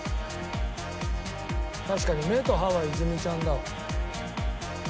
確かに目と歯は泉ちゃんだわ。